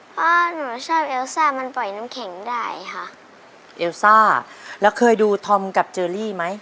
เพราะหนูชอบเอลซ่ามันปล่อยน้ำแข็งได้ค่ะเอลซ่าแล้วเคยดูธอมกับเจอรี่ไหม